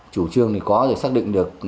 chủ trương thì có thể xác định được